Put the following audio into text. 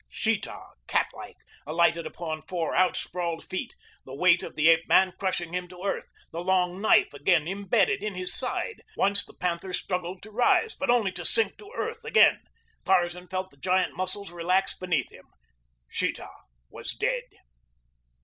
Sheeta, catlike, alighted upon four out sprawled feet, the weight of the ape man crushing him to earth, the long knife again imbedded in his side. Once the panther struggled to rise; but only to sink to earth again. Tarzan felt the giant muscles relax beneath him. Sheeta was dead.